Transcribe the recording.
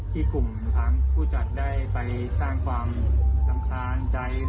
ที่กลุ่มทางผู้จัดได้ไปสร้างความรำคาญใจ